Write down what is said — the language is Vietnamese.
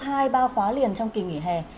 hai ba khóa liền trong kỳ nghỉ hè